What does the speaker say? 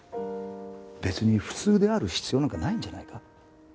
別に普通である必要なんかないんじゃないか？